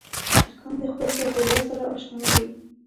چرګان د خپل چاپېریال سره اشنا دي.